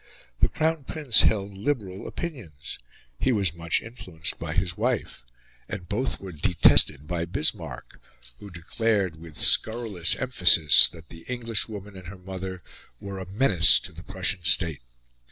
The Crown Prince held liberal opinions; he was much influenced by his wife; and both were detested by Bismarck, who declared with scurrilous emphasis that the Englishwoman and her mother were a menace to the Prussian State.